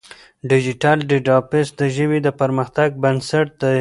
ډیجیټل ډیټابیس د ژبې د پرمختګ بنسټ دی.